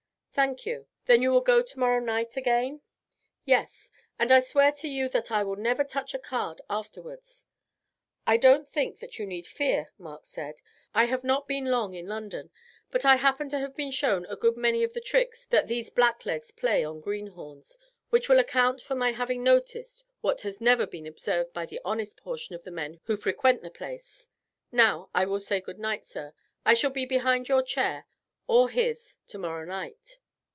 "Thank you. Then you will go tomorrow night again?" "Yes; and I swear to you that I will never touch a card afterwards." "I don't think that you need fear," Mark said. "I have not been long in London, but I happen to have been shown a good many of the tricks that these blacklegs play on greenhorns, which will account for my having noticed what has never been observed by the honest portion of the men who frequent the place. Now I will say good night, sir. I shall be behind your chair or his tomorrow night."